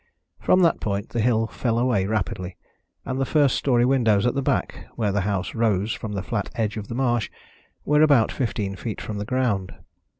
From that point the hill fell away rapidly, and the first story windows at the back, where the house rose from the flat edge of the marsh, were about fifteen feet from the ground.